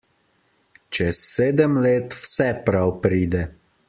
Čez sedem let vse prav pride.